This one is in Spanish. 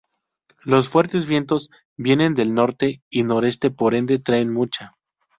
Los fuertes vientos vienen del norte y noreste por ende traen mucha.